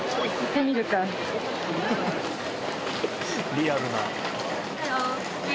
リアルな。